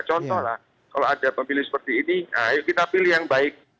contoh lah kalau ada pemilih seperti ini ayo kita pilih yang baik